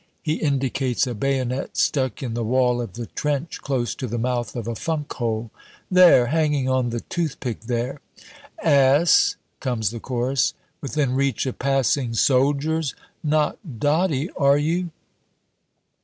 He indicates a bayonet stuck in the wall of the trench close to the mouth of a funk hole "There, hanging on the toothpick there." "Ass!" comes the chorus. "Within reach of passing soldiers! Not dotty, are you?"